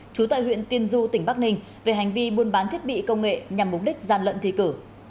trú tại huyện tiên du tỉnh bắc ninh về hành vi buôn bán thiết bị công nghệ nhằm mục đích gian lận thi cử